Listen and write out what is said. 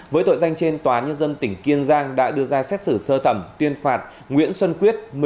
với tội danh trên tòa nhân dân tỉnh kiên giang đã đưa ra xét xử sơ thẩm tuyên phạt nguyễn xuân quyết